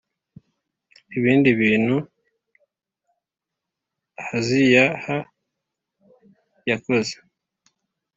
Ibindi bintu Ahaziyah yakoze